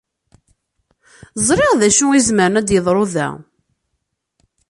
Ẓriɣ d acu ay izemren ad yeḍru da.